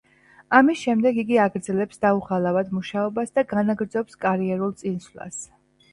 ამის შემდეგ იგი აგრძელებს დაუღალავად მუშაობას და განაგრძობს კარიერულ წინსვლას.